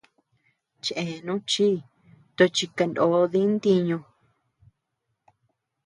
Cheanú chi tochi kanó dii ntiñu.